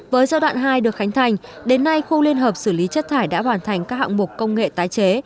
với giai đoạn hai được khánh thành đến nay khu liên hợp xử lý chất thải đã hoàn thành các hạng mục công nghệ tái chế